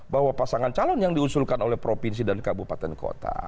bahwa pasangan calon yang diusulkan oleh provinsi dan kabupaten kota